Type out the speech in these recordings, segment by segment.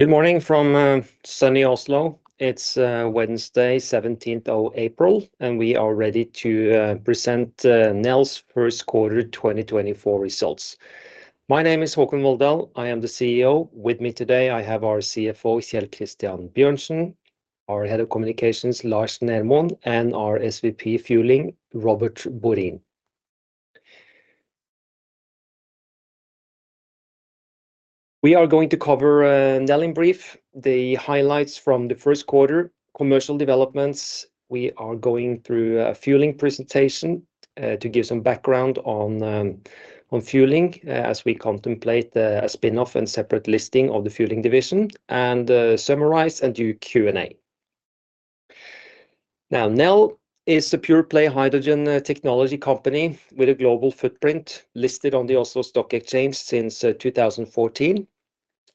Good morning from sunny Oslo. It's Wednesday, 17th of April, and we are ready to present NEL's first quarter 2024 results. My name is Håkon Volldal. I am the CEO. With me today, I have our CFO, Kjell Christian Bjørnsen, our head of communications, Lars Nermoen, and our SVP Fueling, Robert Borin. We are going to cover NEL in brief, the highlights from the first quarter, commercial developments. We are going through a fueling presentation to give some background on fueling, as we contemplate a spinoff and separate listing of the fueling division, and summarize and do Q&A. Now, NEL is a pure-play hydrogen technology company with a global footprint listed on the Oslo Stock Exchange since 2014,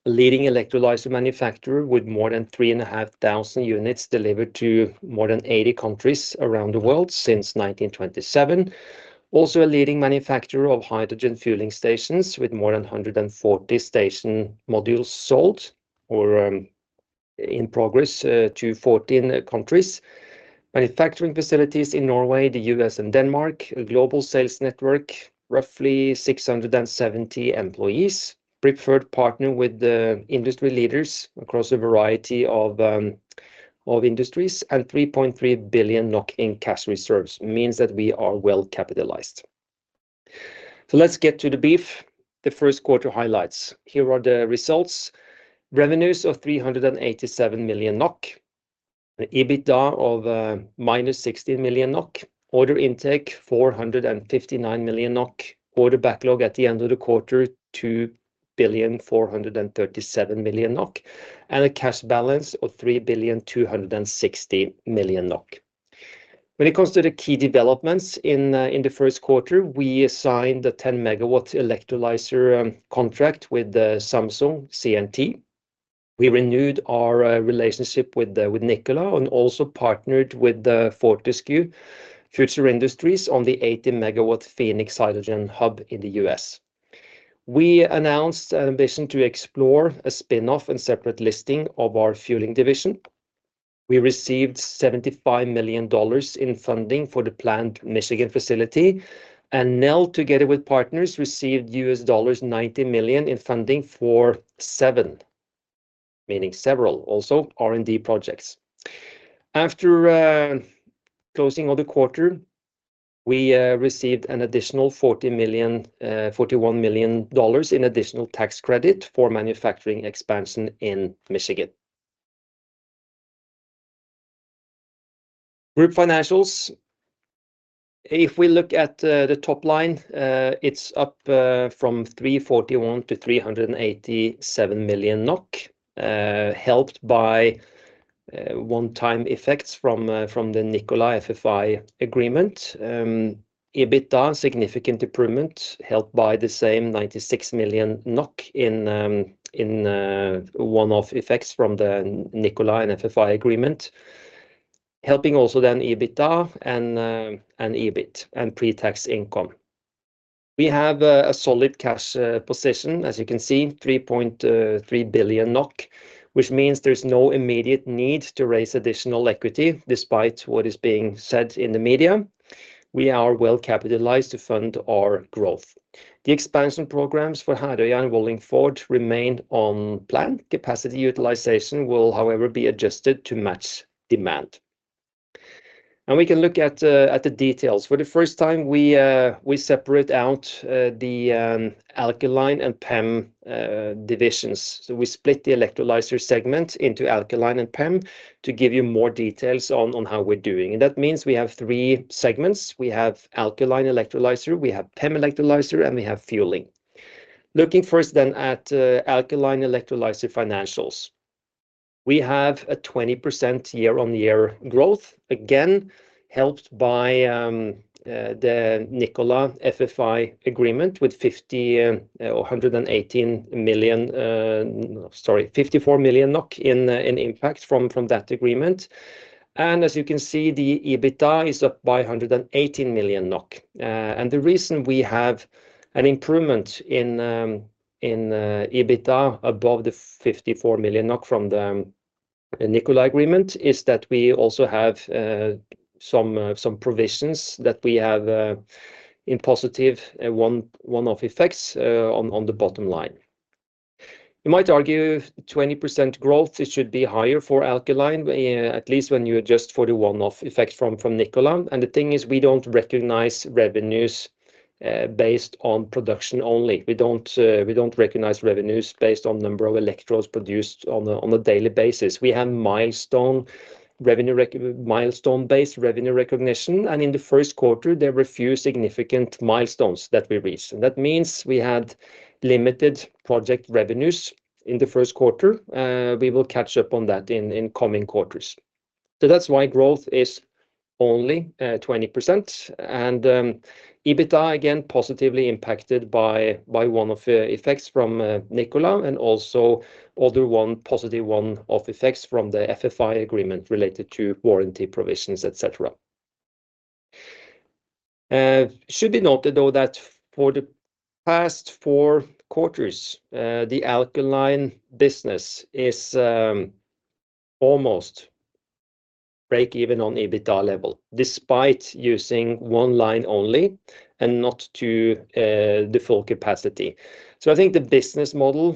a leading electrolyzer manufacturer with more than 3,500 units delivered to more than 80 countries around the world since 1927, also a leading manufacturer of hydrogen fueling stations with more than 140 station modules sold or in progress to 14 countries, manufacturing facilities in Norway, the U.S., and Denmark, a global sales network, roughly 670 employees, preferred partner with industry leaders across a variety of industries, and 3.3 billion NOK in cash reserves, means that we are well capitalized. So let's get to the beef, the first quarter highlights. Here are the results: revenues of 387 million NOK, an EBITDA of -16 million NOK, order intake 459 million NOK, order backlog at the end of the quarter 2,437 million NOK, and a cash balance of 3,260 million NOK. When it comes to the key developments in the first quarter, we signed a 10 MW electrolyzer contract with Samsung C&T. We renewed our relationship with Nikola and also partnered with Fortescue Future Industries on the 80 MW Phoenix Hydrogen Hub in the U.S. We announced an ambition to explore a spinoff and separate listing of our fueling division. We received $75 million in funding for the planned Michigan facility, and Nel, together with partners, received $90 million in funding for several R&D projects. After closing of the quarter, we received an additional $40 million, $41 million in additional tax credit for manufacturing expansion in Michigan. Group financials. If we look at the top line, it's up from 341-387 million NOK, helped by one-time effects from the Nikola FFI agreement. EBITDA significant improvement, helped by the same 96 million NOK in one-off effects from the Nikola and FFI agreement, helping also then EBITDA and EBIT and pre-tax income. We have a solid cash position, as you can see, 3.3 billion NOK, which means there's no immediate need to raise additional equity despite what is being said in the media. We are well capitalized to fund our growth. The expansion programs for Herøya and Wallingford remain on plan. Capacity utilization will, however, be adjusted to match demand. We can look at the details. For the first time, we separate out the alkaline and PEM divisions. So we split the electrolyzer segment into alkaline and PEM to give you more details on how we're doing. And that means we have three segments. We have alkaline electrolyzer. We have PEM electrolyzer. And we have fueling. Looking first then at alkaline electrolyzer financials. We have a 20% year-on-year growth, again helped by the Nikola FFI agreement with 50, or 118 million, sorry, 54 million NOK in impact from that agreement. And as you can see, the EBITDA is up by 118 million NOK. And the reason we have an improvement in EBITDA above the 54 million NOK from the Nikola agreement is that we also have some provisions that we have in positive one-off effects on the bottom line. You might argue 20% growth; it should be higher for alkaline, at least when you adjust for the one-off effect from, from Nikola. And the thing is we don't recognize revenues, based on production only. We don't, we don't recognize revenues based on number of electrodes produced on a, on a daily basis. We have milestone revenue milestone-based revenue recognition. And in the first quarter, there were few significant milestones that we reached. And that means we had limited project revenues in the first quarter. We will catch up on that in, in coming quarters. So that's why growth is only 20%. And EBITDA, again, positively impacted by, by one-off effects from Nikola and also other one positive one-off effects from the FFI agreement related to warranty provisions, etc. Should be noted, though, that for the past four quarters, the alkaline business is almost break-even on EBITDA level despite using one line only and not to the full capacity. So I think the business model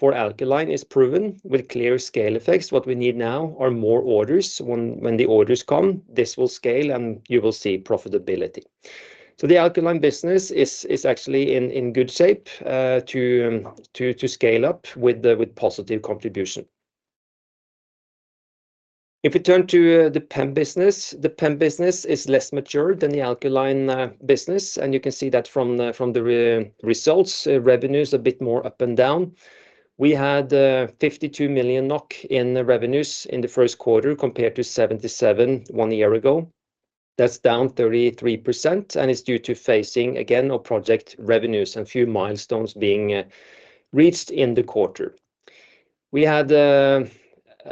for alkaline is proven with clear scale effects. What we need now are more orders. When the orders come, this will scale and you will see profitability. So the alkaline business is actually in good shape to scale up with positive contribution. If we turn to the PEM business, the PEM business is less mature than the alkaline business. And you can see that from the results, revenues a bit more up and down. We had 52 million NOK in revenues in the first quarter compared to 77 one year ago. That's down 33% and is due to phasing, again, our project revenues and a few milestones being reached in the quarter. We had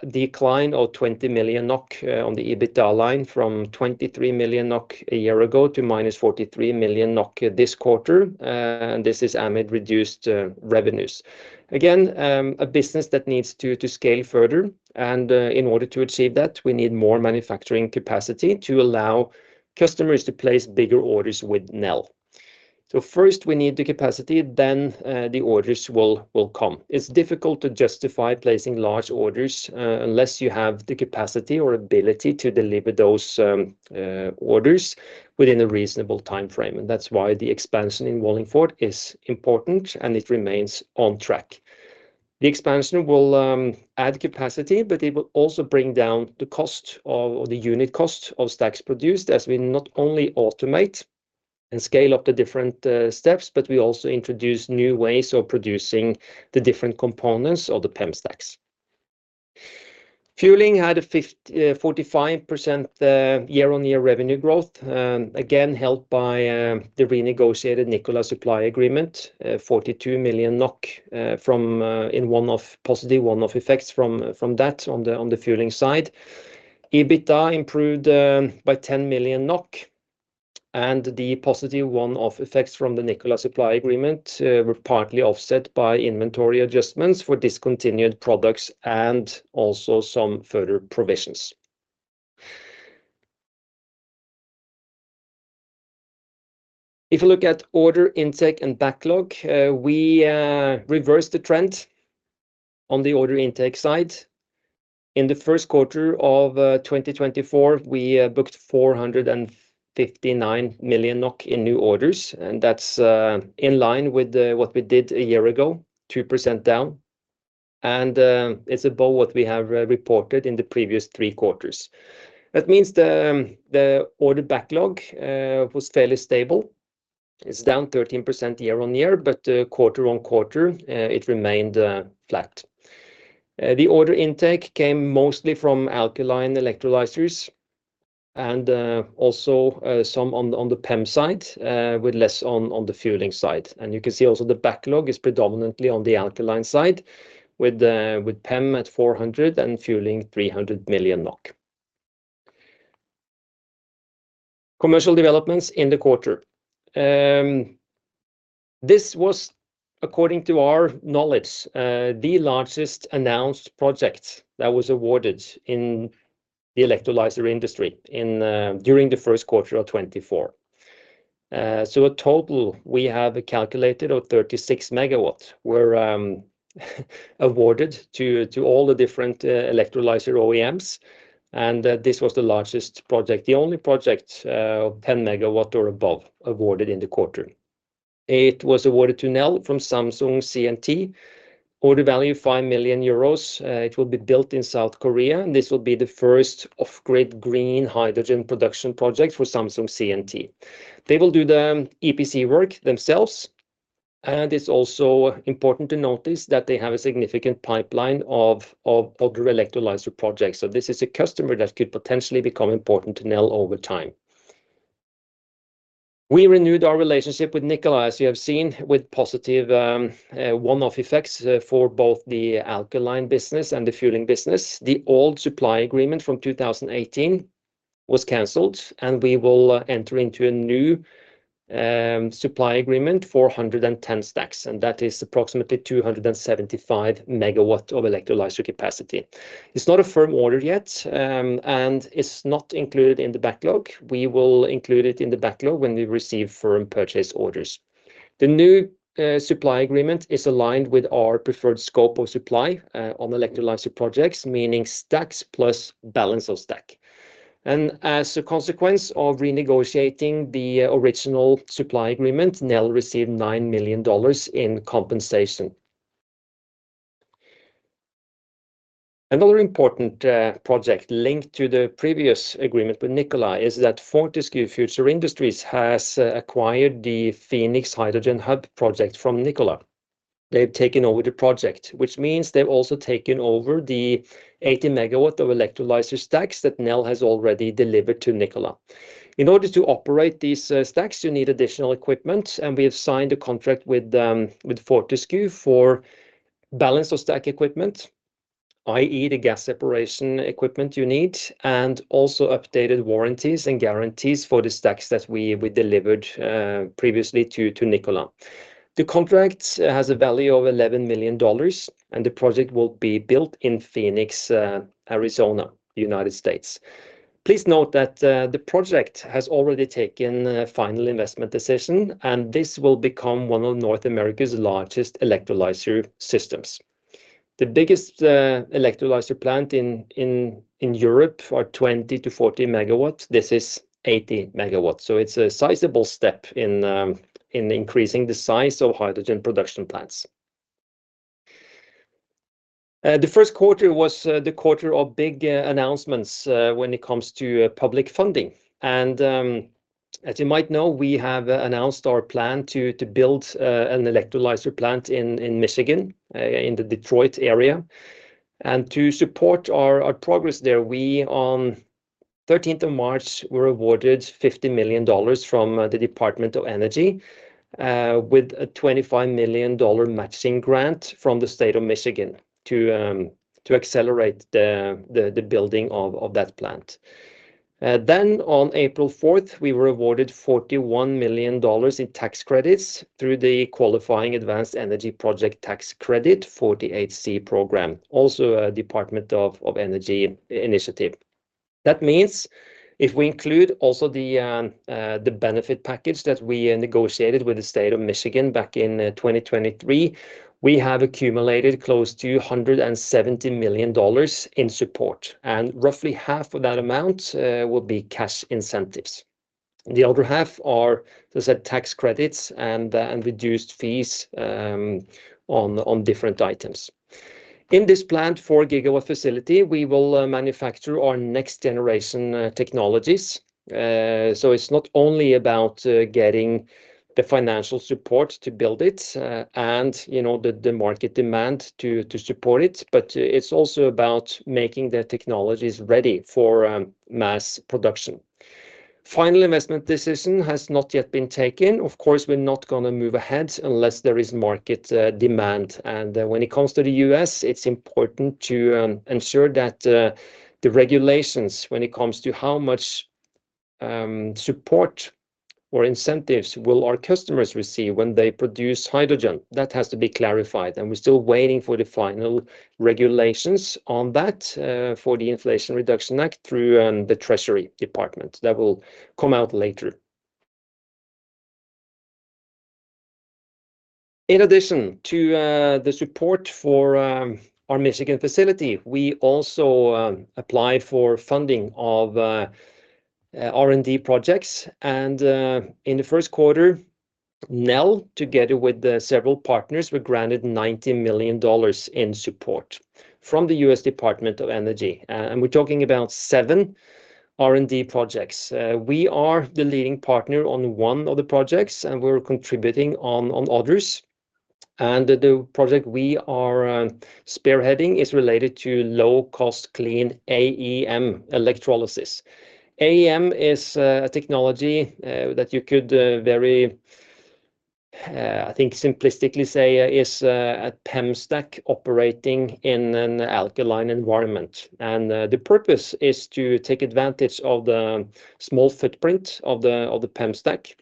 a decline of 20 million NOK on the EBITDA line from 23 million NOK a year ago to -43 million NOK this quarter. And this is amid reduced revenues. Again, a business that needs to scale further. And in order to achieve that, we need more manufacturing capacity to allow customers to place bigger orders with Nel. So first we need the capacity, then the orders will come. It's difficult to justify placing large orders unless you have the capacity or ability to deliver those orders within a reasonable time frame. And that's why the expansion in Wallingford is important and it remains on track. The expansion will add capacity, but it will also bring down the cost of, or the unit cost of stacks produced as we not only automate and scale up the different steps, but we also introduce new ways of producing the different components of the PEM stacks. Fueling had a 50-45% year-on-year revenue growth, again helped by the renegotiated Nikola supply agreement, 42 million NOK from one-off positive effects from that on the fueling side. EBITDA improved by 10 million NOK. And the positive one-off effects from the Nikola supply agreement were partly offset by inventory adjustments for discontinued products and also some further provisions. If you look at order intake and backlog, we reversed the trend on the order intake side. In the first quarter of 2024, we booked 459 million NOK in new orders. That's in line with what we did a year ago, 2% down. It's above what we have reported in the previous three quarters. That means the order backlog was fairly stable. It's down 13% year-over-year, but quarter-over-quarter, it remained flat. The order intake came mostly from alkaline electrolyzers. Also, some on the PEM side, with less on the fueling side. You can see also the backlog is predominantly on the alkaline side with PEM at 400 and fueling 300 million NOK. Commercial developments in the quarter. This was, according to our knowledge, the largest announced project that was awarded in the electrolyzer industry in during the first quarter of 2024. So a total we have calculated of 36 megawatts were awarded to all the different electrolyzer OEMs. This was the largest project, the only project, of 10 megawatt or above awarded in the quarter. It was awarded to Nel from Samsung C&T. Order value 5 million euros. It will be built in South Korea. This will be the first off-grid green hydrogen production project for Samsung C&T. They will do the EPC work themselves. It's also important to notice that they have a significant pipeline of other electrolyzer projects. So this is a customer that could potentially become important to Nel over time. We renewed our relationship with Nikola, as you have seen, with positive, one-off effects for both the alkaline business and the fueling business. The old supply agreement from 2018 was canceled. We will enter into a new supply agreement for 110 stacks. And that is approximately 275 megawatt of electrolyzer capacity. It's not a firm order yet. It's not included in the backlog. We will include it in the backlog when we receive firm purchase orders. The new supply agreement is aligned with our preferred scope of supply on electrolyzer projects, meaning stacks plus balance of stack. As a consequence of renegotiating the original supply agreement, NEL received $9 million in compensation. Another important project linked to the previous agreement with Nikola is that Fortescue has acquired the Phoenix Hydrogen Hub project from Nikola. They've taken over the project, which means they've also taken over the 80 MW of electrolyzer stacks that NEL has already delivered to Nikola. In order to operate these stacks, you need additional equipment. And we have signed a contract with Fortescue for balance of stack equipment, i.e., the gas separation equipment you need, and also updated warranties and guarantees for the stacks that we delivered, previously to Nikola. The contract has a value of $11 million. And the project will be built in Phoenix, Arizona, United States. Please note that the project has already taken a final investment decision. And this will become one of North America's largest electrolyzer systems. The biggest electrolyzer plant in Europe are 20-40 MW. This is 80 MW. So it's a sizable step in increasing the size of hydrogen production plants. The first quarter was the quarter of big announcements, when it comes to public funding. And, as you might know, we have announced our plan to build an electrolyzer plant in Michigan, in the Detroit area. To support our progress there, we on 13th of March were awarded $50 million from the Department of Energy, with a $25 million matching grant from the state of Michigan to accelerate the building of that plant. Then on April 4th, we were awarded $41 million in tax credits through the Qualifying Advanced Energy Project Tax Credit, 48C program, also a Department of Energy initiative. That means if we include also the benefit package that we negotiated with the state of Michigan back in 2023, we have accumulated close to $170 million in support. And roughly half of that amount will be cash incentives. The other half are, as I said, tax credits and reduced fees on different items. In this planned 4 GW facility, we will manufacture our next generation technologies. So it's not only about getting the financial support to build it, and, you know, the market demand to support it, but it's also about making the technologies ready for mass production. Final investment decision has not yet been taken. Of course, we're not going to move ahead unless there is market demand. When it comes to the U.S., it's important to ensure that the regulations when it comes to how much support or incentives will our customers receive when they produce hydrogen, that has to be clarified. We're still waiting for the final regulations on that, for the Inflation Reduction Act through the Treasury Department that will come out later. In addition to the support for our Michigan facility, we also apply for funding of R&D projects. In the first quarter, NEL, together with several partners, were granted $90 million in support from the U.S. Department of Energy. We're talking about 7 R&D projects. We are the leading partner on one of the projects, and we're contributing on others. The project we are spearheading is related to low-cost clean AEM electrolysis. AEM is a technology that you could very, I think, simplistically say is a PEM stack operating in an alkaline environment. The purpose is to take advantage of the small footprint of the PEM stack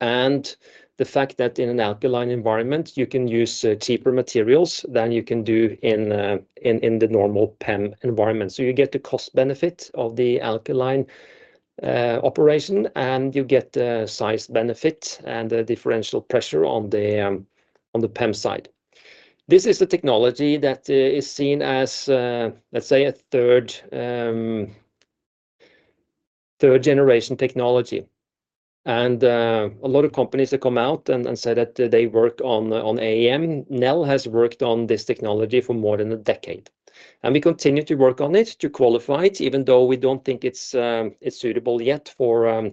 and the fact that in an alkaline environment, you can use cheaper materials than you can do in the normal PEM environment. You get the cost benefit of the alkaline operation, and you get the size benefit and the differential pressure on the PEM side. This is a technology that is seen as, let's say, a third generation technology. A lot of companies that come out and say that they work on AEM, NEL has worked on this technology for more than a decade. We continue to work on it to qualify it, even though we don't think it's suitable yet for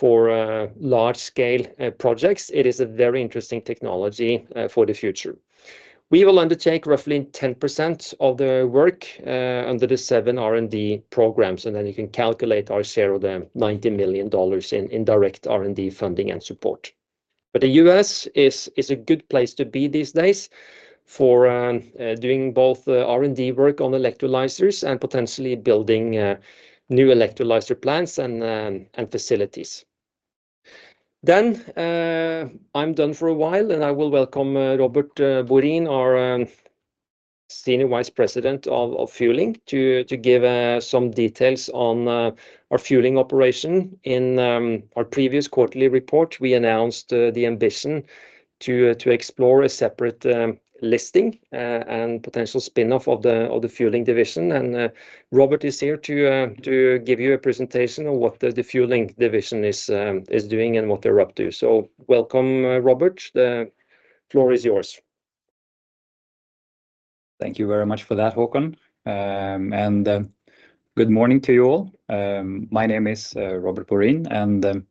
large-scale projects. It is a very interesting technology for the future. We will undertake roughly 10% of the work, under the seven R&D programs. Then you can calculate our share of the $90 million in direct R&D funding and support. But the US is a good place to be these days for doing both R&D work on electrolyzers and potentially building new electrolyzer plants and facilities. Then, I'm done for a while, and I will welcome Robert Borin, our Senior Vice President of Fueling, to give some details on our fueling operation. In our previous quarterly report, we announced the ambition to explore a separate listing and potential spinoff of the fueling division. Robert is here to give you a presentation of what the fueling division is doing and what they're up to. So welcome, Robert. The floor is yours. Thank you very much for that, Håkon. Good morning to you all. My name is Robert Borin.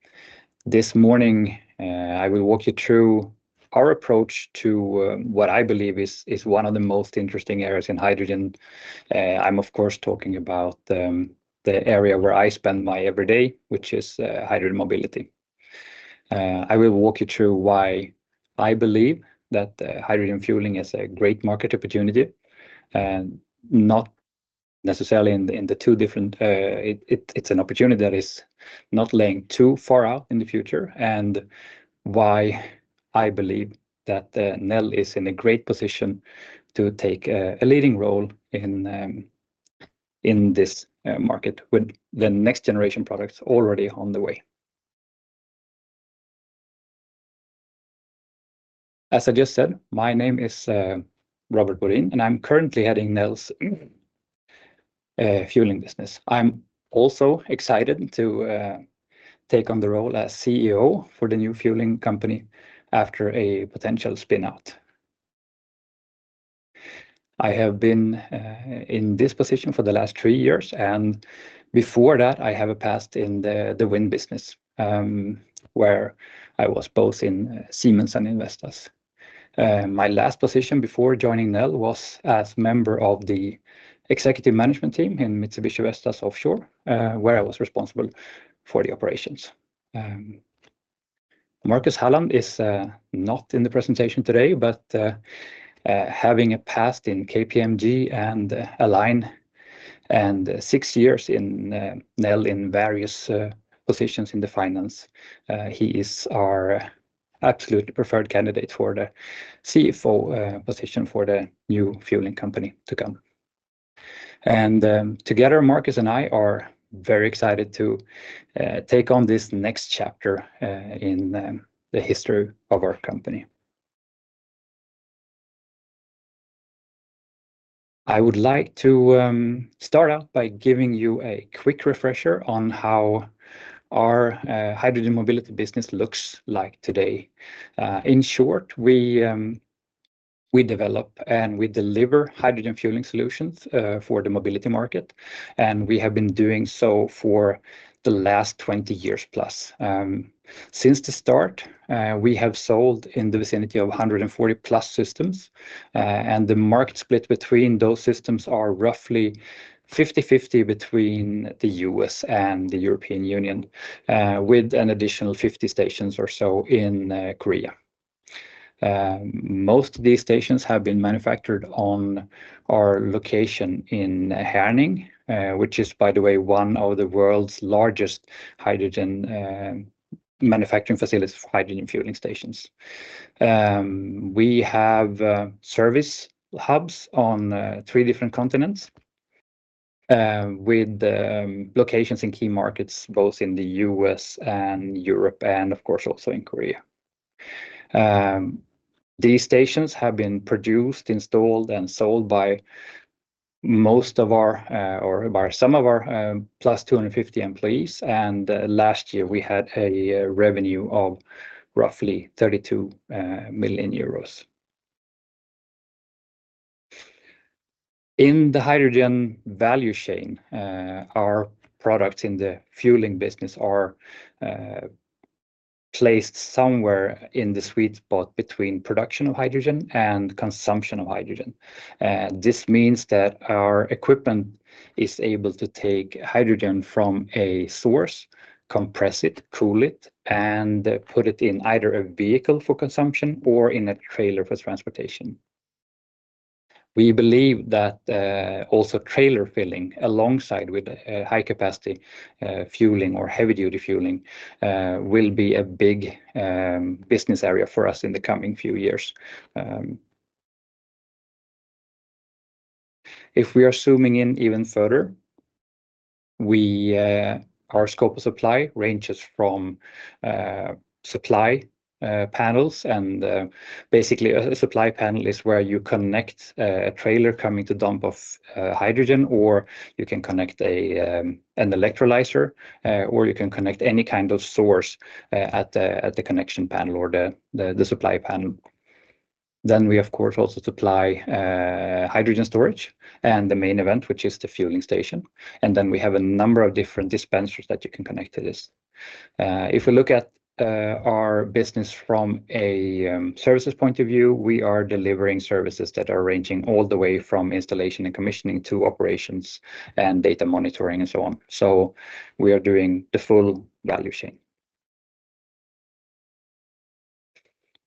This morning, I will walk you through our approach to what I believe is one of the most interesting areas in hydrogen. I'm, of course, talking about the area where I spend my every day, which is hydrogen mobility. I will walk you through why I believe that hydrogen fueling is a great market opportunity and not necessarily. It's an opportunity that is not lying too far out in the future and why I believe that NEL is in a great position to take a leading role in this market with the next generation products already on the way. As I just said, my name is Robert Borin, and I'm currently heading NEL's fueling business. I'm also excited to take on the role as CEO for the new fueling company after a potential spinoff. I have been in this position for the last three years, and before that, I have a past in the wind business, where I was both in Siemens and Vestas. My last position before joining Nel was as member of the executive management team in Mitsubishi Vestas Offshore, where I was responsible for the operations. Marcus Halland is not in the presentation today, but having a past in KPMG and Align and 6 years in Nel in various positions in the finance, he is our absolute preferred candidate for the CFO position for the new fueling company to come. Together, Marcus and I are very excited to take on this next chapter in the history of our company. I would like to start out by giving you a quick refresher on how our hydrogen mobility business looks like today. In short, we, we develop and we deliver hydrogen fueling solutions for the mobility market, and we have been doing so for the last 20 years plus. Since the start, we have sold in the vicinity of 140+ systems, and the market split between those systems is roughly 50/50 between the U.S. and the European Union, with an additional 50 stations or so in Korea. Most of these stations have been manufactured on our location in Herning, which is, by the way, one of the world's largest hydrogen manufacturing facilities for hydrogen fueling stations. We have service hubs on three different continents, with locations in key markets both in the U.S. and Europe and, of course, also in Korea. These stations have been produced, installed, and sold by most of our, or by some of our, 250+ employees. Last year, we had a revenue of roughly 32 million euros. In the hydrogen value chain, our products in the fueling business are placed somewhere in the sweet spot between production of hydrogen and consumption of hydrogen. This means that our equipment is able to take hydrogen from a source, compress it, cool it, and put it in either a vehicle for consumption or in a trailer for transportation. We believe that also trailer filling alongside with high-capacity fueling or heavy-duty fueling will be a big business area for us in the coming few years. If we are zooming in even further, we, our scope of supply ranges from supply panels. Basically, a supply panel is where you connect a trailer coming to dump off hydrogen, or you can connect an electrolyzer, or you can connect any kind of source at the connection panel or the supply panel. Then we, of course, also supply hydrogen storage and the main event, which is the fueling station. And then we have a number of different dispensers that you can connect to this. If we look at our business from a services point of view, we are delivering services that are ranging all the way from installation and commissioning to operations and data monitoring and so on. So we are doing the full value chain.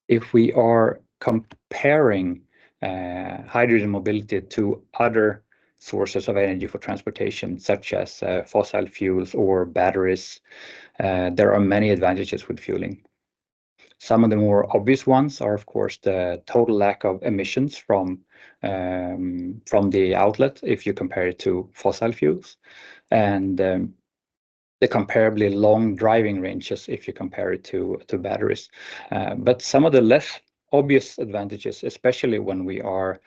If we are comparing hydrogen mobility to other sources of energy for transportation, such as fossil fuels or batteries, there are many advantages with fueling. Some of the more obvious ones are, of course, the total lack of emissions from the outlet if you compare it to fossil fuels and the comparably long driving ranges if you compare it to batteries. but some of the less obvious advantages, especially when we are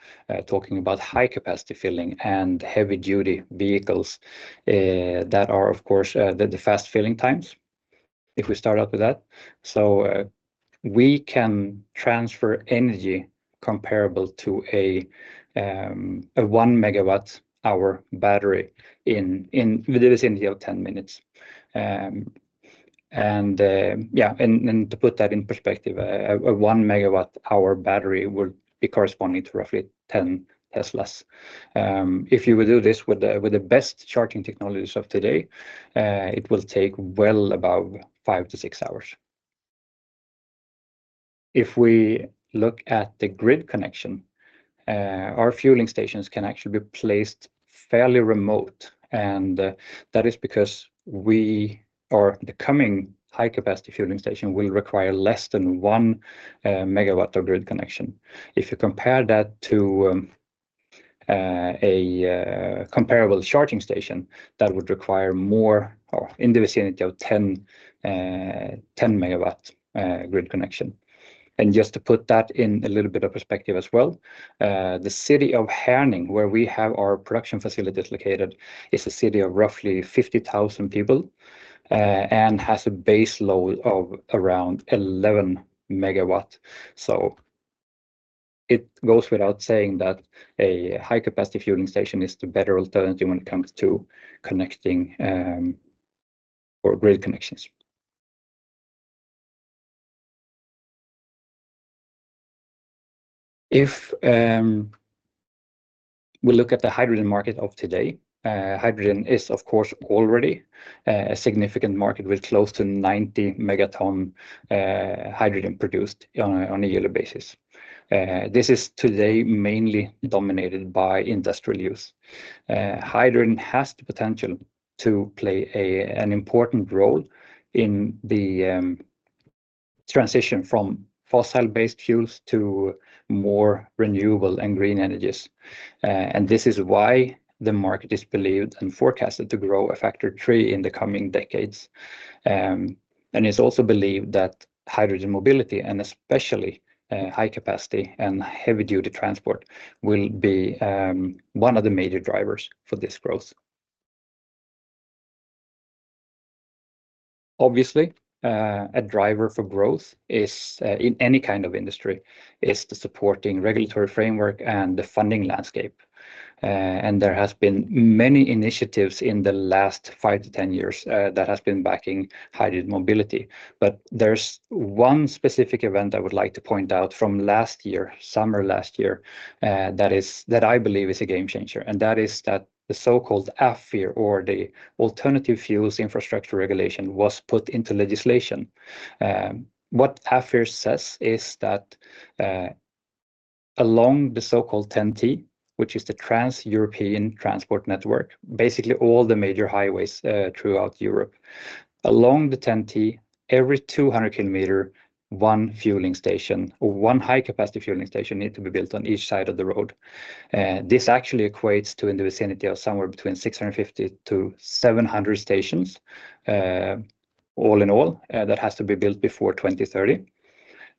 talking about high-capacity filling and heavy-duty vehicles, that are, of course, the fast filling times, if we start out with that. So, we can transfer energy comparable to a 1 MWh battery in the vicinity of 10 minutes. And to put that in perspective, a 1 MWh battery would correspond to roughly 10 Teslas. If you would do this with the best charging technologies of today, it will take well above 5-6 hours. If we look at the grid connection, our fueling stations can actually be placed fairly remote. And that is because the coming high-capacity fueling station will require less than 1 MW of grid connection. If you compare that to a comparable charging station, that would require more or in the vicinity of 10 MW grid connection. Just to put that in a little bit of perspective as well, the city of Herning, where we have our production facilities located, is a city of roughly 50,000 people, and has a base load of around 11 MW. It goes without saying that a high-capacity fueling station is the better alternative when it comes to connecting or grid connections. If we look at the hydrogen market of today, hydrogen is, of course, already a significant market with close to 90 megatons of hydrogen produced on a yearly basis. This is today mainly dominated by industrial use. Hydrogen has the potential to play an important role in the transition from fossil-based fuels to more renewable and green energies. This is why the market is believed and forecasted to grow a factor three in the coming decades. It's also believed that hydrogen mobility, and especially high-capacity and heavy-duty transport, will be one of the major drivers for this growth. Obviously, a driver for growth in any kind of industry is the supporting regulatory framework and the funding landscape. There have been many initiatives in the last five to 10 years that have been backing hydrogen mobility. But there's one specific event I would like to point out from last year, summer last year, that is that I believe is a game changer. And that is that the so-called AFIR, or the Alternative Fuels Infrastructure Regulation, was put into legislation. What AFIR says is that, along the so-called TEN-T, which is the Trans-European Transport Network, basically all the major highways throughout Europe, along the TEN-T, every 200 kilometers, one fueling station or one high-capacity fueling station needs to be built on each side of the road. This actually equates to in the vicinity of somewhere between 650-700 stations, all in all, that has to be built before 2030.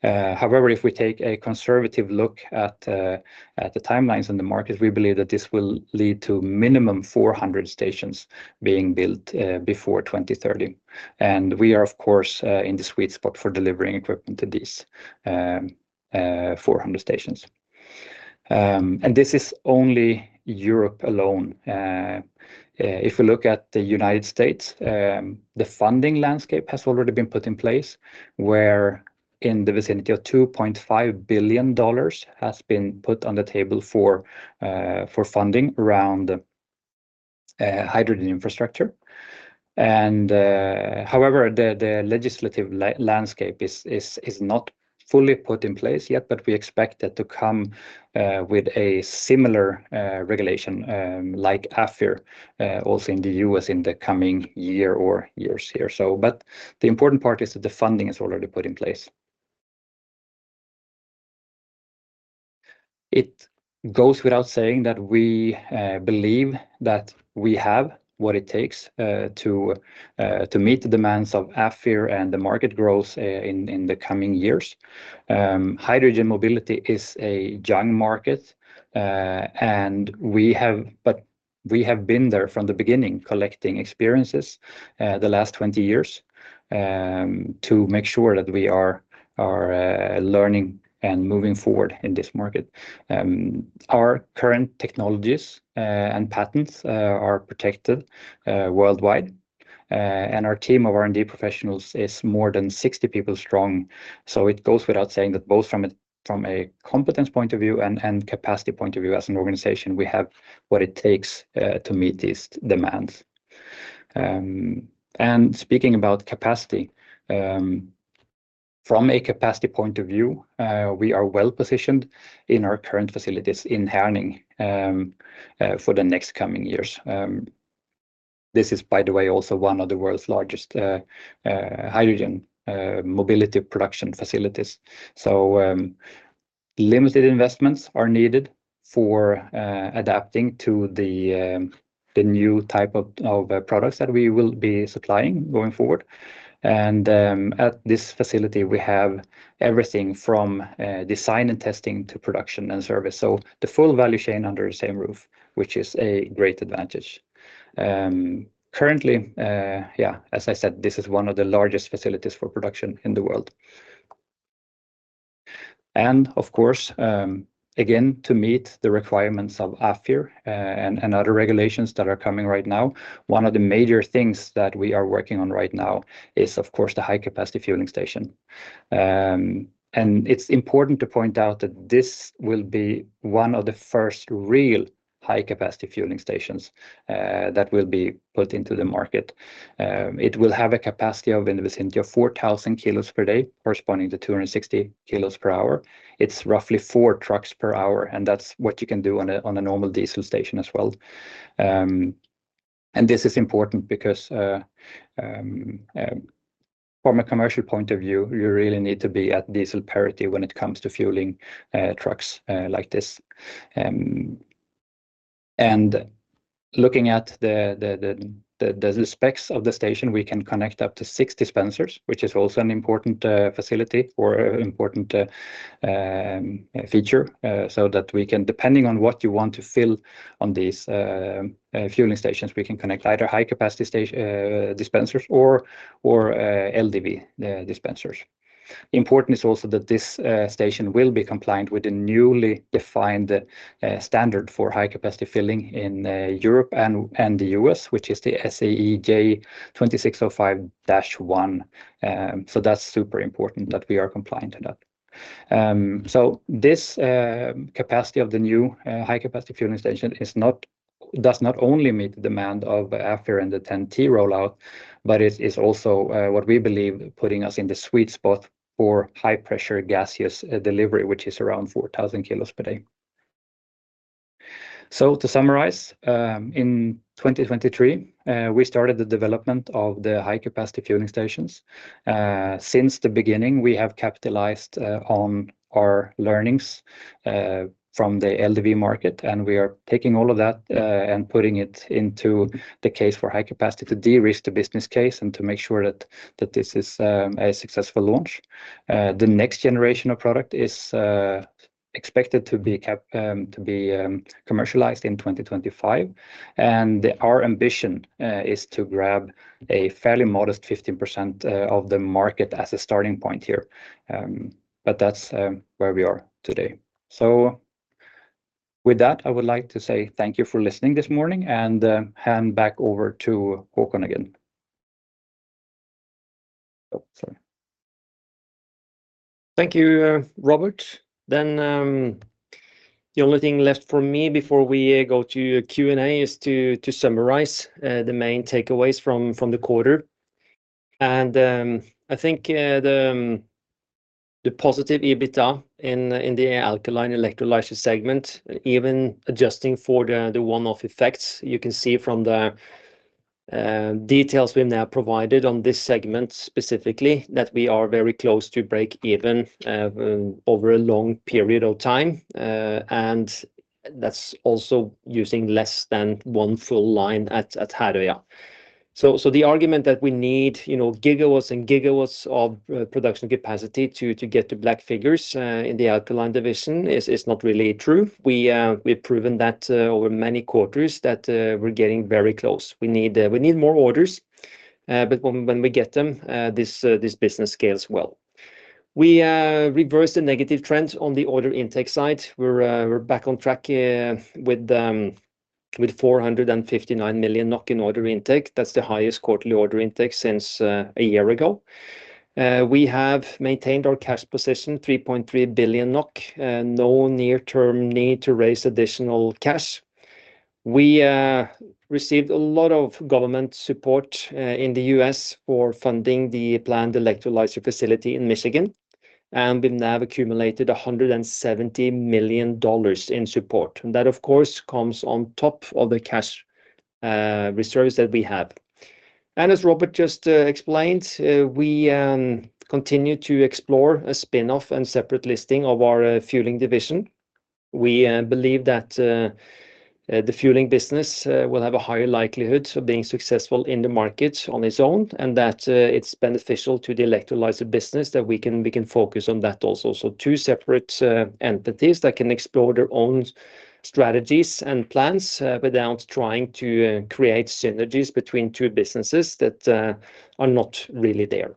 However, if we take a conservative look at the timelines in the market, we believe that this will lead to minimum 400 stations being built before 2030. We are, of course, in the sweet spot for delivering equipment to these 400 stations. This is only Europe alone. If we look at the United States, the funding landscape has already been put in place, where in the vicinity of $2.5 billion has been put on the table for funding around hydrogen infrastructure. However, the legislative landscape is not fully put in place yet, but we expect that to come, with a similar regulation like AFIR, also in the U.S. in the coming year or years here. But the important part is that the funding is already put in place. It goes without saying that we believe that we have what it takes to meet the demands of AFIR and the market growth in the coming years. Hydrogen mobility is a young market, and we have, but we have been there from the beginning, collecting experiences, the last 20 years, to make sure that we are learning and moving forward in this market. Our current technologies and patents are protected worldwide, and our team of R&D professionals is more than 60 people strong. So it goes without saying that both from a competence point of view and capacity point of view as an organization, we have what it takes to meet these demands. Speaking about capacity, from a capacity point of view, we are well positioned in our current facilities in Herning for the next coming years. This is, by the way, also one of the world's largest hydrogen mobility production facilities. So, limited investments are needed for adapting to the new type of products that we will be supplying going forward. And, at this facility, we have everything from design and testing to production and service. So the full value chain under the same roof, which is a great advantage. Currently, yeah, as I said, this is one of the largest facilities for production in the world. And, of course, again, to meet the requirements of AFIR and other regulations that are coming right now, one of the major things that we are working on right now is, of course, the high-capacity fueling station. And it's important to point out that this will be one of the first real high-capacity fueling stations that will be put into the market. It will have a capacity of in the vicinity of 4,000 kilos per day, corresponding to 260 kilos per hour. It's roughly four trucks per hour, and that's what you can do on a normal diesel station as well. This is important because, from a commercial point of view, you really need to be at diesel parity when it comes to fueling trucks like this. Looking at the specs of the station, we can connect up to six dispensers, which is also an important facility or an important feature, so that we can, depending on what you want to fill on these fueling stations, connect either high-capacity station dispensers or LDV dispensers. It is also important that this station will be compliant with the newly defined standard for high-capacity filling in Europe and the US, which is the SAE J2605-1. So that's super important that we are compliant to that. So this capacity of the new high-capacity fueling station does not only meet the demand of AFIR and the TEN-T rollout, but it is also, what we believe, putting us in the sweet spot for high-pressure gaseous delivery, which is around 4,000 kilos per day. So to summarize, in 2023, we started the development of the high-capacity fueling stations. Since the beginning, we have capitalized on our learnings from the LDV market, and we are taking all of that and putting it into the case for high-capacity to de-risk the business case and to make sure that this is a successful launch. The next generation of product is expected to be commercialized in 2025. And our ambition is to grab a fairly modest 15% of the market as a starting point here. but that's where we are today. So with that, I would like to say thank you for listening this morning and hand back over to Håkon again. Oh, sorry. Thank you, Robert. Then, the only thing left for me before we go to Q&A is to summarize the main takeaways from the quarter. And I think the positive EBITDA in the alkaline electrolysis segment, even adjusting for the one-off effects you can see from the details we've now provided on this segment specifically, that we are very close to break even over a long period of time. And that's also using less than one full line at Herøya. So the argument that we need, you know, gigawatts and gigawatts of production capacity to get to black figures in the alkaline division is not really true. We've proven that, over many quarters, that we're getting very close. We need more orders, but when we get them, this business scales well. We reversed the negative trend on the order intake side. We're back on track, with 459 million in order intake. That's the highest quarterly order intake since a year ago. We have maintained our cash position, 3.3 billion NOK, no near-term need to raise additional cash. We received a lot of government support in the U.S. for funding the planned electrolyser facility in Michigan, and we've now accumulated $170 million in support. And that, of course, comes on top of the cash reserves that we have. And as Robert just explained, we continue to explore a spinoff and separate listing of our fueling division. We believe that the fueling business will have a higher likelihood of being successful in the market on its own and that it's beneficial to the electrolysis business that we can focus on that also. So, two separate entities that can explore their own strategies and plans, without trying to create synergies between two businesses that are not really there.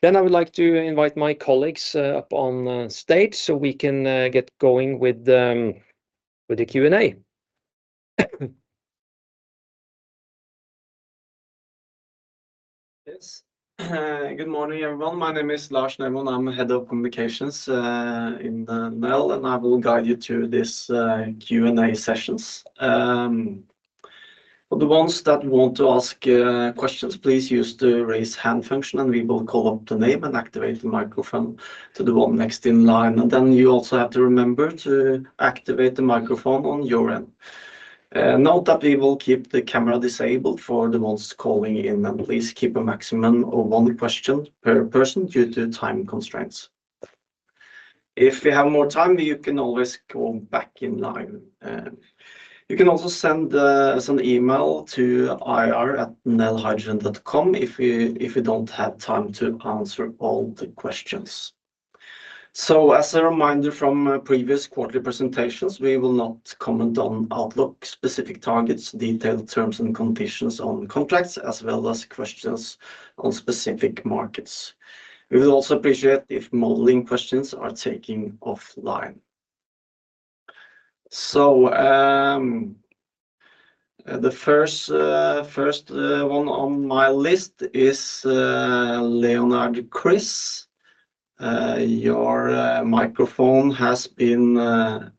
Then I would like to invite my colleagues up on stage so we can get going with the Q&A. Yes. Good morning, everyone. My name is Lars Nermoen. I'm head of communications in the Nel, and I will guide you through this Q&A sessions. For the ones that want to ask questions, please use the raise hand function, and we will call up the name and activate the microphone to the one next in line. Then you also have to remember to activate the microphone on your end. Note that we will keep the camera disabled for the ones calling in, and please keep a maximum of one question per person due to time constraints. If you have more time, you can always go back in line. You can also send an email to ir@nelhydrogen.com if you don't have time to answer all the questions. So, as a reminder from previous quarterly presentations, we will not comment on outlook specific targets, detailed terms and conditions on contracts, as well as questions on specific markets. We will also appreciate if modeling questions are taken offline. So, the first one on my list is Chris Leonard. Your microphone has been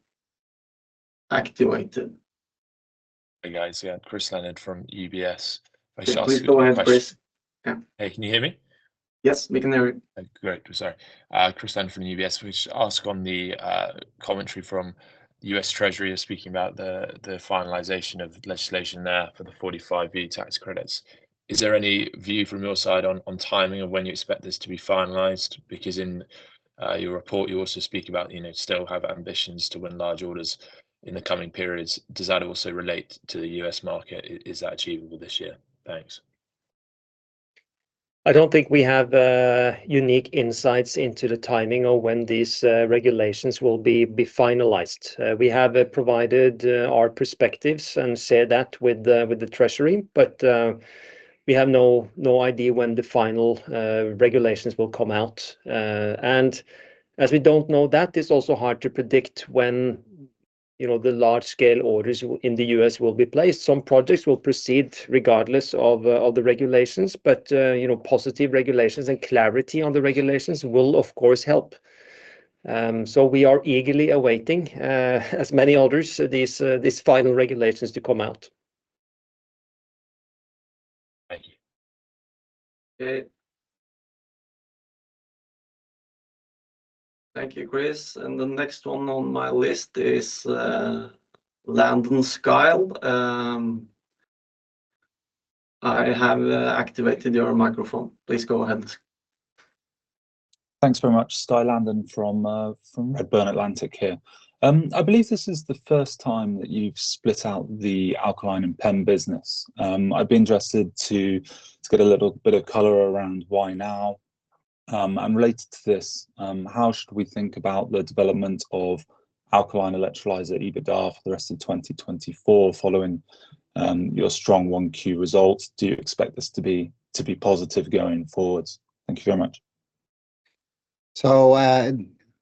activated. Hey guys, yeah, Chris Leonard from UBS. Please go ahead, Chris. Yeah. Hey, can you hear me? Yes, we can hear you. Great, sorry. Chris Leonard from UBS, who asked on the commentary from the U.S. Treasury on speaking about the finalization of legislation there for the 45V tax credits. Is there any view from your side on timing of when you expect this to be finalized? Because in your report, you also speak about, you know, still have ambitions to win large orders in the coming periods. Does that also relate to the US market? Is that achievable this year? Thanks. I don't think we have unique insights into the timing or when these regulations will be finalized. We have provided our perspectives and shared that with the Treasury, but we have no idea when the final regulations will come out. As we don't know that, it's also hard to predict when, you know, the large-scale orders in the U.S. will be placed. Some projects will proceed regardless of the regulations, but, you know, positive regulations and clarity on the regulations will, of course, help. We are eagerly awaiting, as many others, these final regulations to come out. Thank you. Thank you, Chris. And the next one on my list is, Skye Landon. I have activated your microphone. Please go ahead. Thanks very much, Skye Landon from Redburn Atlantic here. I believe this is the first time that you've split out the alkaline and PEM business. I'd be interested to get a little bit of color around why now. And related to this, how should we think about the development of alkaline electrolyser EBITDA for the rest of 2024 following your strong 1Q results? Do you expect this to be positive going forward? Thank you very much.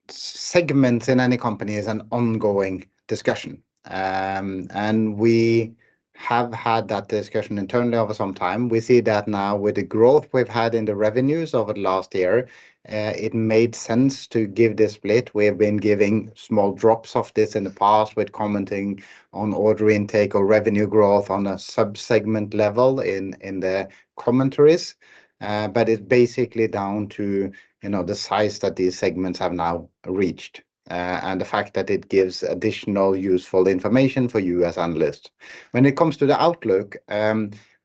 Segments in any company is an ongoing discussion. We have had that discussion internally over some time. We see that now with the growth we've had in the revenues over the last year, it made sense to give this split. We have been giving small drops of this in the past with commenting on order intake or revenue growth on a subsegment level in the commentaries. It's basically down to, you know, the size that these segments have now reached, and the fact that it gives additional useful information for you as analysts. When it comes to the outlook,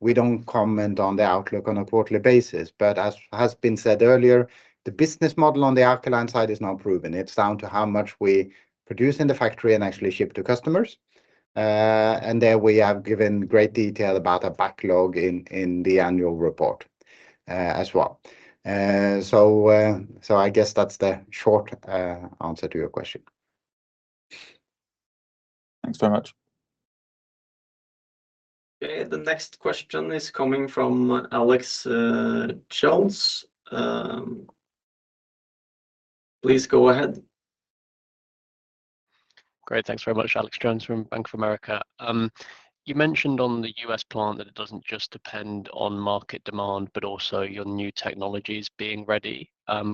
we don't comment on the outlook on a quarterly basis, but as has been said earlier, the business model on the alkaline side is now proven. It's down to how much we produce in the factory and actually ship to customers. And there we have given great detail about a backlog in the annual report, as well. So, I guess that's the short answer to your question. Thanks very much. Okay, the next question is coming from Alexander Jones. Please go ahead. Great, thanks very much, Alexander Jones from Bank of America. You mentioned on the U.S. plant that it doesn't just depend on market demand, but also your new technologies being ready.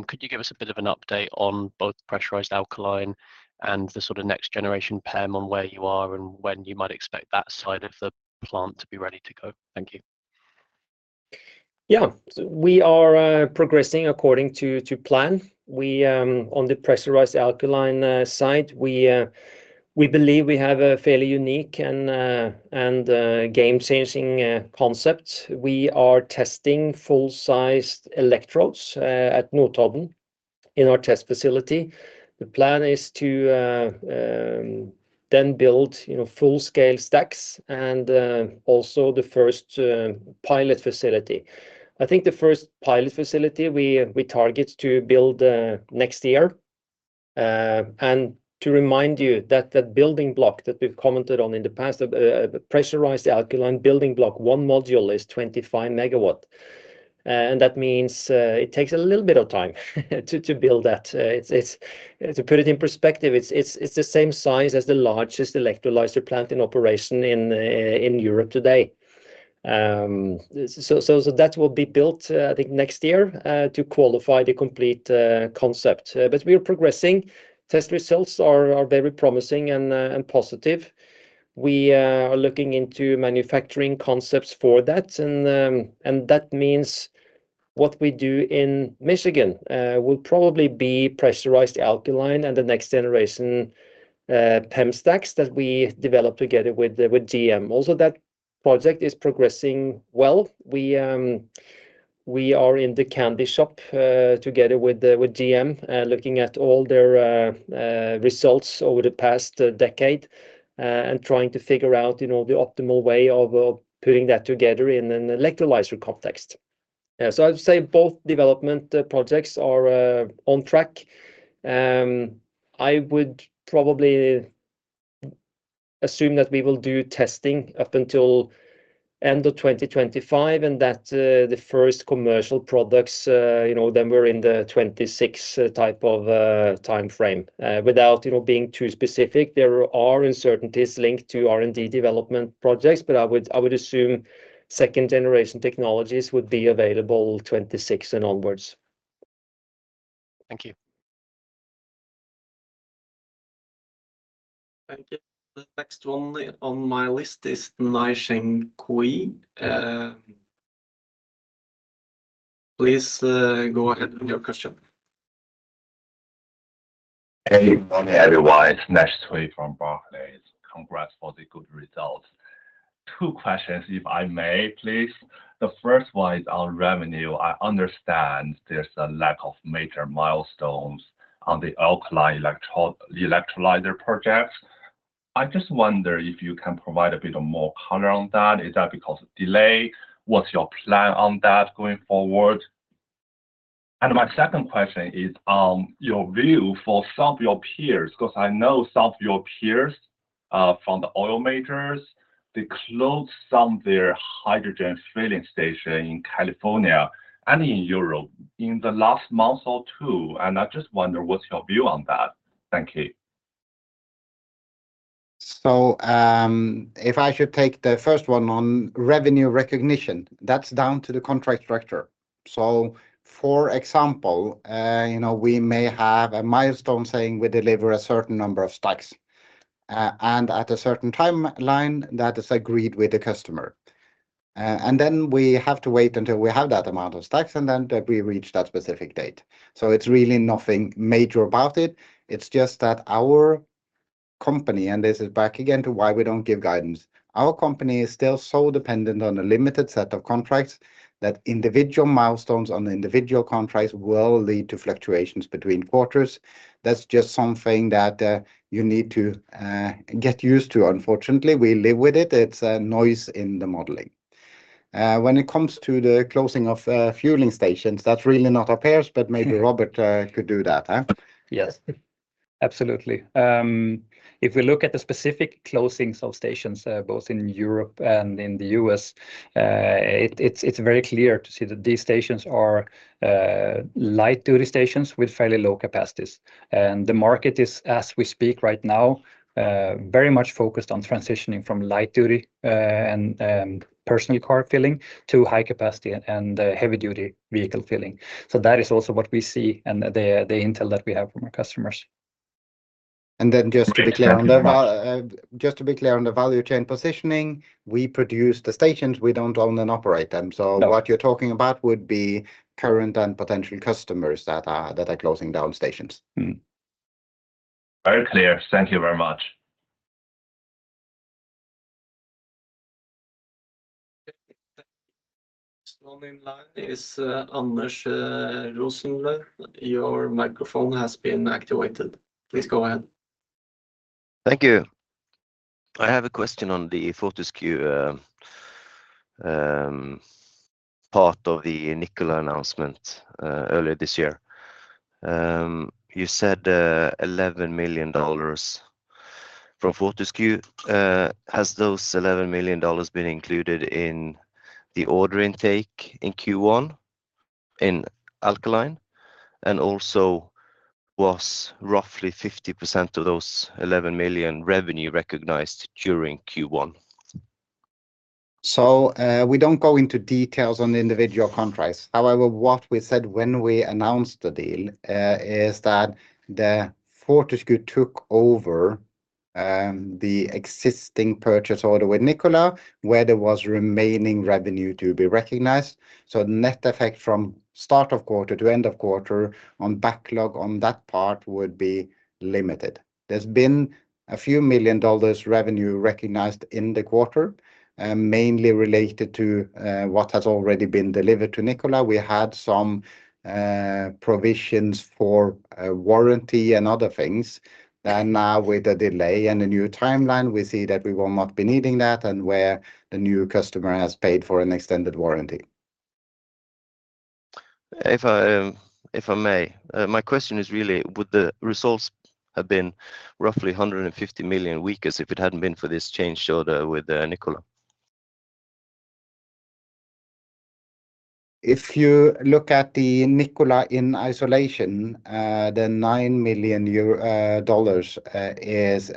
Could you give us a bit of an update on both pressurized alkaline and the sort of next-generation PEM on where you are and when you might expect that side of the plant to be ready to go? Thank you. Yeah, we are progressing according to plan. We, on the pressurized alkaline side, we believe we have a fairly unique and game-changing concept. We are testing full-sized electrodes at Nordhorn in our test facility. The plan is to then build, you know, full-scale stacks and also the first pilot facility. I think the first pilot facility we target to build next year. To remind you that that building block that we've commented on in the past, a pressurized alkaline building block, one module is 25 MW. And that means it takes a little bit of time to build that. It's to put it in perspective, it's the same size as the largest electrolyzer plant in operation in Europe today. So that will be built, I think next year, to qualify the complete concept. But we are progressing. Test results are very promising and positive. We are looking into manufacturing concepts for that. And that means what we do in Michigan will probably be pressurized alkaline and the next generation PEM stacks that we develop together with GM. Also, that project is progressing well. We are in the candy shop together with GM, looking at all their results over the past decade, and trying to figure out you know the optimal way of putting that together in an electrolyzer context. Yeah, so I'd say both development projects are on track. I would probably assume that we will do testing up until the end of 2025 and that the first commercial products you know then we're in the 2026 type of timeframe without you know being too specific, there are uncertainties linked to R&D development projects, but I would assume second-generation technologies would be available 2026 and onwards. Thank you. Thank you. The next one on my list is Naisheng Cui. Please go ahead with your question. Hey, morning, everyone. Naisheng Cui from Barclays. Congrats on the good results. Two questions, if I may, please. The first one is on revenue. I understand there's a lack of major milestones on the alkaline electrolyzer projects. I just wonder if you can provide a bit more color on that. Is that because of delay? What's your plan on that going forward? And my second question is on your view for some of your peers, because I know some of your peers, from the oil majors, they closed some of their hydrogen fueling stations in California and in Europe in the last month or two. And I just wonder what's your view on that. Thank you. So, if I should take the first one on revenue recognition, that's down to the contract structure. So, for example, you know, we may have a milestone saying we deliver a certain number of stacks, and at a certain timeline, that is agreed with the customer, and then we have to wait until we have that amount of stacks, and then we reach that specific date. So it's really nothing major about it. It's just that our company, and this is back again to why we don't give guidance, our company is still so dependent on a limited set of contracts that individual milestones on individual contracts will lead to fluctuations between quarters. That's just something that, you need to, get used to. Unfortunately, we live with it. It's a noise in the modeling. When it comes to the closing of fueling stations, that's really not our purview, but maybe Robert could do that. Huh? Yes, absolutely. If we look at the specific closings of stations, both in Europe and in the U.S., it's very clear to see that these stations are light-duty stations with fairly low capacities. And the market is, as we speak right now, very much focused on transitioning from light-duty and personal car filling to high-capacity and heavy-duty vehicle filling. So that is also what we see and the intel that we have from our customers. And then just to be clear on the value chain positioning, we produce the stations. We don't own and operate them. So what you're talking about would be current and potential customers that are closing down stations. Very clear. Thank you very much. The next one in line is Anders Rosenlund. Your microphone has been activated. Please go ahead. Thank you. I have a question on the Fortescue part of the Nikola announcement earlier this year. You said $11 million from Fortescue. Has those $11 million been included in the order intake in Q1 in alkaline? And also, was roughly 50% of those $11 million revenue recognized during Q1? So, we don't go into details on the individual contracts. However, what we said when we announced the deal is that the Fortescue took over the existing purchase order with Nikola, where there was remaining revenue to be recognized. So, the net effect from start of quarter to end of quarter on backlog on that part would be limited. There's been a few million dollars revenue recognized in the quarter, mainly related to what has already been delivered to Nikola. We had some provisions for warranty and other things. Then now, with a delay and a new timeline, we see that we will not be needing that and where the new customer has paid for an extended warranty. If I may, my question is really, would the results have been roughly $150 million weaker if it hadn't been for this change order with Nikola? If you look at the Nikola in isolation, the $9 million euros is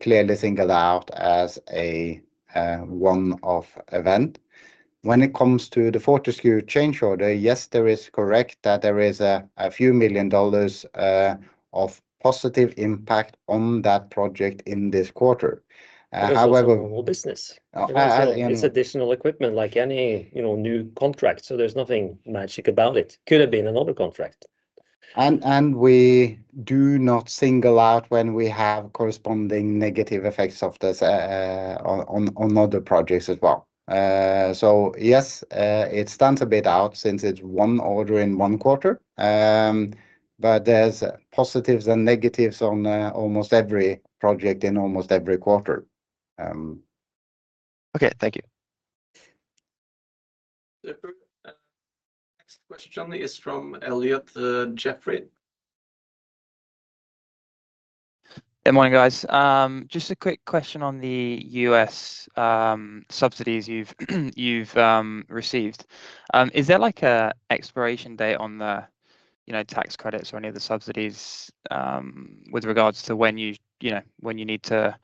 clearly singled out as a one-off event. When it comes to the Fortescue change order, yes, it is correct that there is a few million dollars of positive impact on that project in this quarter. However, it's additional equipment like any, you know, new contract. So, there's nothing magic about it. It could have been another contract. We do not single out when we have corresponding negative effects of this, on other projects as well. So yes, it stands a bit out since it's one order in one quarter. But there's positives and negatives on, almost every project in almost every quarter. Okay, thank you. The next question, Jonny, is from Elliot Jeffrey. Good morning, guys. Just a quick question on the U.S., subsidies you've received. Is there like an expiration date on the, you know, tax credits or any of the subsidies, with regards to when you, you know, when you need to,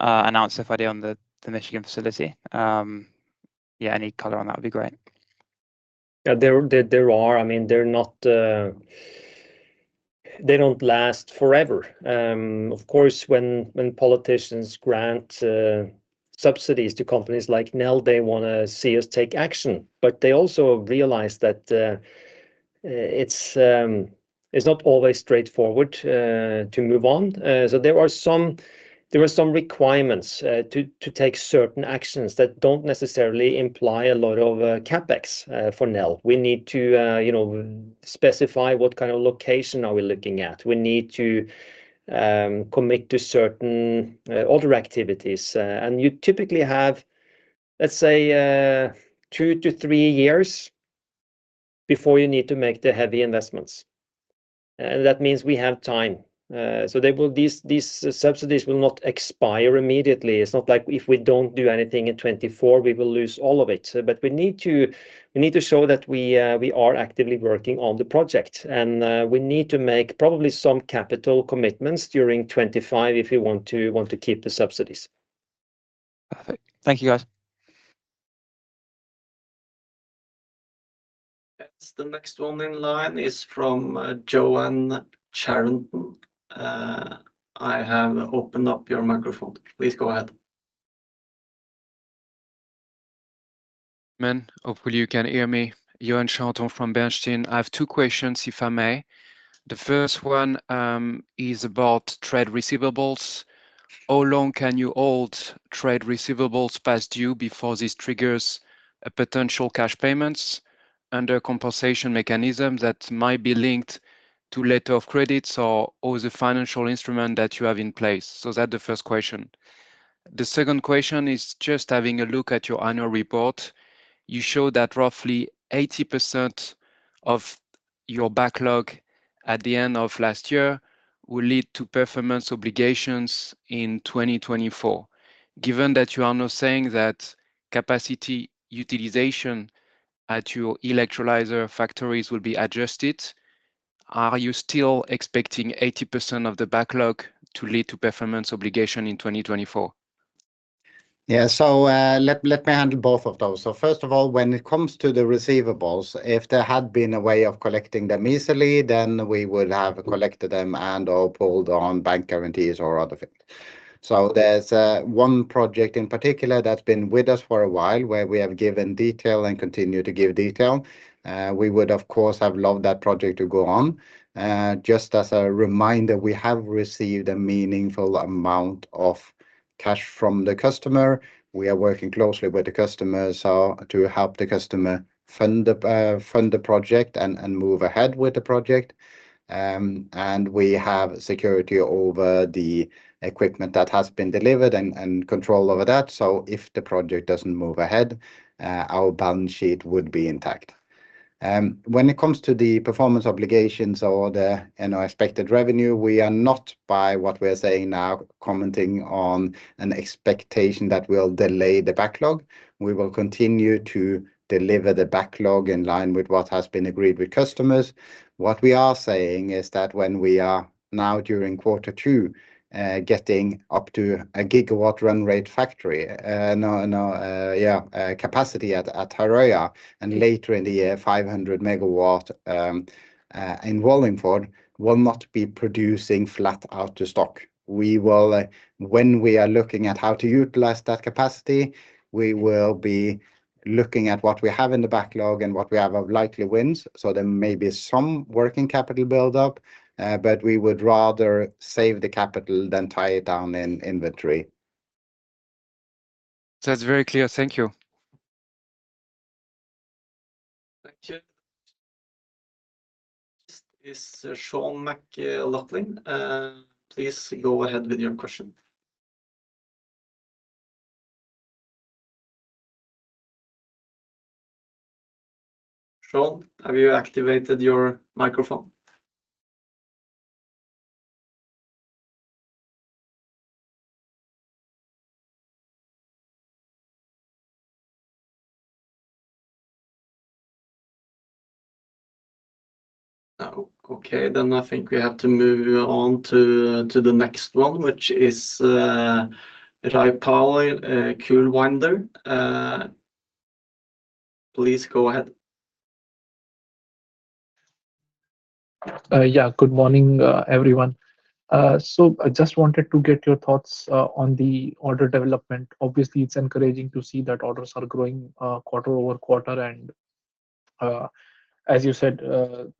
announce FID on the Michigan facility? Yeah, any color on that would be great. Yeah, there are. I mean, they're not, they don't last forever. Of course, when politicians grant, subsidies to companies like NEL, they want to see us take action. But they also realize that, it's not always straightforward to move on. So there were some requirements to take certain actions that don't necessarily imply a lot of CapEx for NEL. We need to, you know, specify what kind of location we are looking at. We need to commit to certain order activities. And you typically have, let's say, two to three years before you need to make the heavy investments. And that means we have time. So these subsidies will not expire immediately. It's not like if we don't do anything in 2024, we will lose all of it. But we need to show that we are actively working on the project. And we need to make probably some capital commitments during 2025 if we want to keep the subsidies. Perfect. Thank you, guys. Yes, the next one in line is from Yoann Charenton. I have opened up your microphone. Please go ahead. Um, hopefully you can hear me. Yoann Charenton from Bernstein. I have two questions, if I may. The first one is about trade receivables. How long can you hold trade receivables past due before this triggers potential cash payments under compensation mechanisms that might be linked to letters of credit or other financial instruments that you have in place? So that's the first question. The second question is just having a look at your annual report. You show that roughly 80% of your backlog at the end of last year will lead to performance obligations in 2024. Given that you are now saying that capacity utilization at your electrolyser factories will be adjusted, are you still expecting 80% of the backlog to lead to performance obligation in 2024? Yeah, so let me handle both of those. So first of all, when it comes to the receivables, if there had been a way of collecting them easily, then we would have collected them and/or pulled on bank guarantees or other things. So there's one project in particular that's been with us for a while where we have given detail and continue to give detail. We would, of course, have loved that project to go on. Just as a reminder, we have received a meaningful amount of cash from the customer. We are working closely with the customers to help the customer fund the fund the project and and move ahead with the project. And we have security over the equipment that has been delivered and and control over that. So if the project doesn't move ahead, our balance sheet would be intact. When it comes to the performance obligations or the, you know, expected revenue, we are not, by what we are saying now, commenting on an expectation that we'll delay the backlog. We will continue to deliver the backlog in line with what has been agreed with customers. What we are saying is that when we are now during quarter two, getting up to a 1 GW run rate capacity at Herøya and later in the year 500 MW in Wallingford will not be producing flat out to stock. We will, when we are looking at how to utilize that capacity, be looking at what we have in the backlog and what we have of likely wins. So there may be some working capital buildup, but we would rather save the capital than tie it down in inventory. That's very clear. Thank you. Thank you. This is Sean McLoughlin. Please go ahead with your question. Sean, have you activated your microphone? No. Okay. Then I think we have to move on to the next one, which is Kulwinder Rajpal. Please go ahead. Yeah, good morning, everyone. So I just wanted to get your thoughts on the order development. Obviously, it's encouraging to see that orders are growing quarter-over-quarter. And as you said,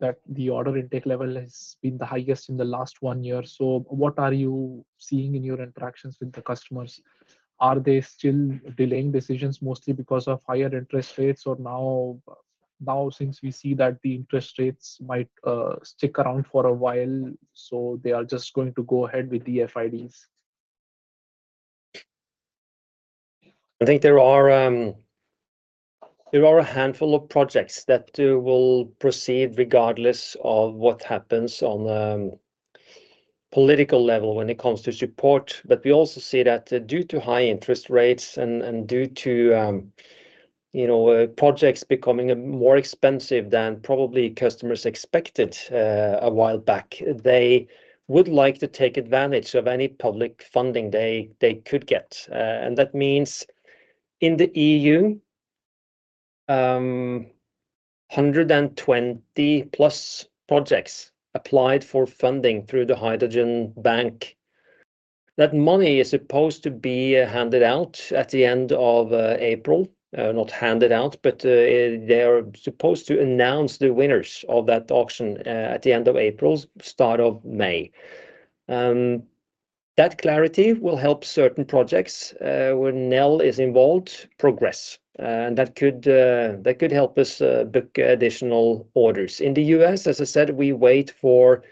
that the order intake level has been the highest in the last one year. So what are you seeing in your interactions with the customers? Are they still delaying decisions mostly because of higher interest rates or now, since we see that the interest rates might stick around for a while, so they are just going to go ahead with the FIDs? I think there are a handful of projects that will proceed regardless of what happens on the political level when it comes to support. But we also see that due to high interest rates and due to, you know, projects becoming more expensive than probably customers expected a while back, they would like to take advantage of any public funding they could get. And that means in the EU, 120+ projects applied for funding through the Hydrogen Bank. That money is supposed to be handed out at the end of April, not handed out, but they are supposed to announce the winners of that auction at the end of April, start of May. That clarity will help certain projects where Nel is involved progress. And that could help us book additional orders. In the US, as I said, we wait for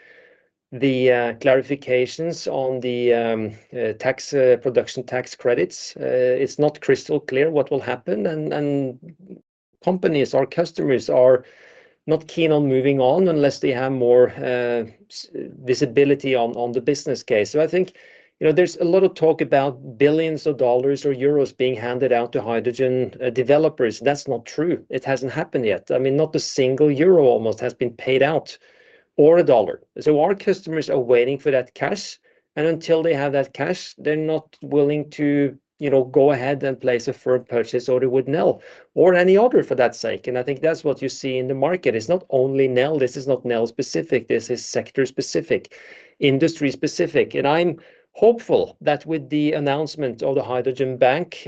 the clarifications on the tax production tax credits. It's not crystal clear what will happen. And companies, our customers, are not keen on moving on unless they have more visibility on the business case. So I think, you know, there's a lot of talk about billions of dollars or euros being handed out to hydrogen developers. That's not true. It hasn't happened yet. I mean, not a single euro almost has been paid out or a dollar. So our customers are waiting for that cash. And until they have that cash, they're not willing to, you know, go ahead and place a firm purchase order with NEL or any other for that sake. And I think that's what you see in the market. It's not only NEL. This is not NEL specific. This is sector specific, industry specific. I'm hopeful that with the announcement of the Hydrogen Bank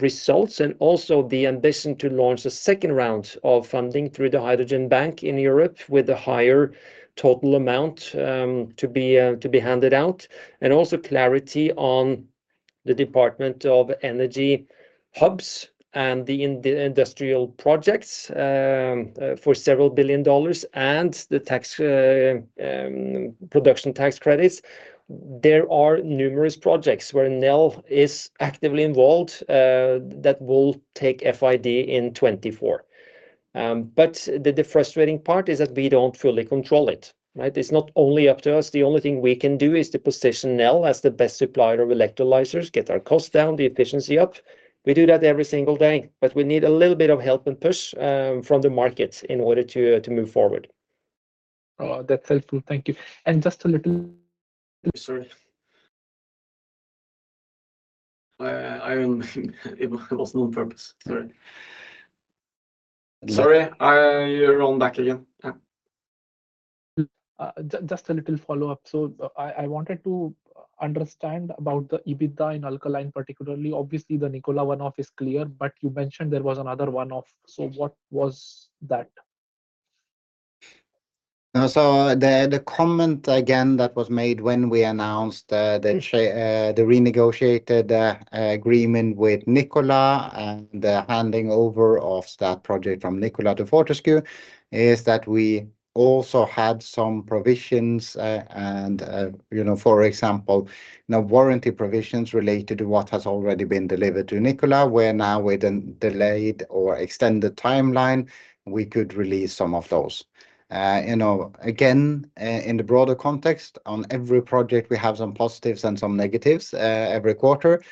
results and also the ambition to launch a second round of funding through the Hydrogen Bank in Europe with a higher total amount to be handed out and also clarity on the Department of Energy hubs and the industrial projects for $ several billion and the tax production tax credits, there are numerous projects where Nel is actively involved that will take FID in 2024. But the frustrating part is that we don't fully control it, right? It's not only up to us. The only thing we can do is to position Nel as the best supplier of electrolyzers, get our costs down, the efficiency up. We do that every single day, but we need a little bit of help and push from the market in order to move forward. Oh, that's helpful. Thank you. And just a little, sorry. I wasn't on purpose. Sorry. Sorry. You're back on again. Yeah. Just a little follow-up. So I wanted to understand about the EBITDA in alkaline particularly. Obviously, the Nikola one-off is clear, but you mentioned there was another one-off. So what was that? So the comment again that was made when we announced the renegotiated agreement with Nikola and the handing over of that project from Nikola to Fortescue is that we also had some provisions and, you know, for example, you know, warranty provisions related to what has already been delivered to Nikola where now with a delayed or extended timeline, we could release some of those. You know, again, in the broader context, on every project, we have some positives and some negatives every quarter.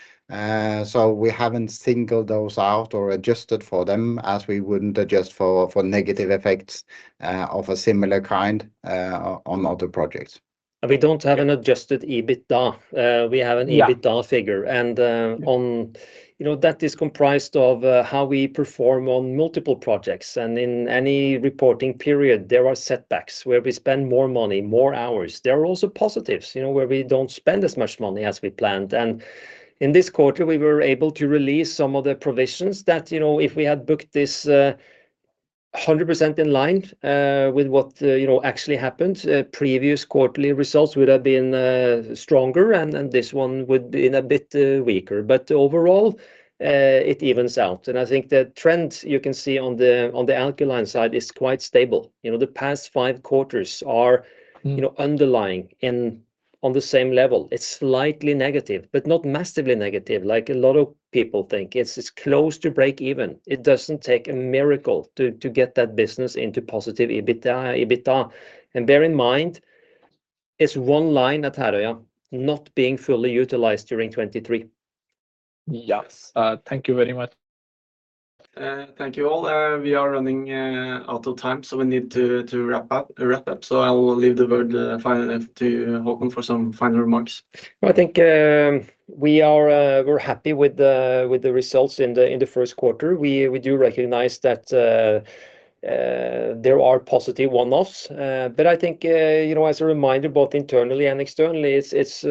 So we haven't singled those out or adjusted for them as we wouldn't adjust for negative effects of a similar kind on other projects. We don't have an adjusted EBITDA. We have an EBITDA figure. And on, you know, that is comprised of how we perform on multiple projects. And in any reporting period, there are setbacks where we spend more money, more hours. There are also positives, you know, where we don't spend as much money as we planned. And in this quarter, we were able to release some of the provisions that, you know, if we had booked this 100% in line with what, you know, actually happened, previous quarterly results would have been stronger and this one would be a bit weaker. But overall, it evens out. And I think the trend you can see on the alkaline side is quite stable. You know, the past five quarters are, you know, underlying in on the same level. It's slightly negative, but not massively negative, like a lot of people think. It's close to break even. It doesn't take a miracle to get that business into positive EBITDA. And bear in mind, it's one line at Herøya not being fully utilized during 2023. Yes. Thank you very much. Thank you all. We are running out of time, so we need to wrap up. So I'll leave the word finally to Håkon for some final remarks. I think we are happy with the results in the first quarter. We do recognize that there are positive one-offs, but I think, you know, as a reminder, both internally and externally, it's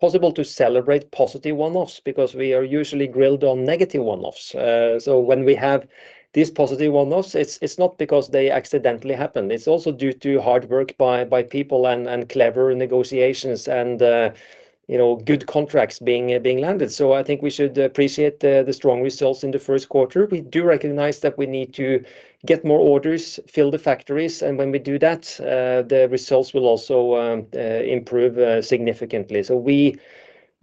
possible to celebrate positive one-offs because we are usually grilled on negative one-offs. So when we have these positive one-offs, it's not because they accidentally happen. It's also due to hard work by people and clever negotiations and, you know, good contracts being landed. So I think we should appreciate the strong results in the first quarter. We do recognize that we need to get more orders, fill the factories. And when we do that, the results will also improve significantly. So we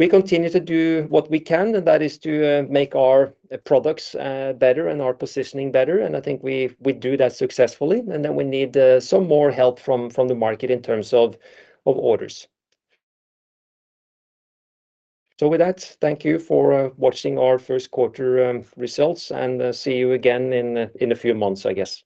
continue to do what we can, and that is to make our products better and our positioning better. And I think we do that successfully. And then we need some more help from the market in terms of orders. So with that, thank you for watching our first quarter results. And see you again in a few months, I guess.